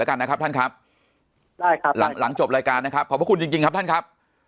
แล้วกันนะครับท่านครับได้ครับหลังหลังจบรายการนะครับขอบพระคุณจริงจริงครับท่านครับ